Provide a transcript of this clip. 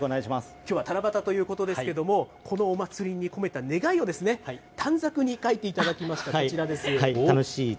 きょうは七夕ということですけれども、このおまつりに込めた願いを、短冊に書いていただきました。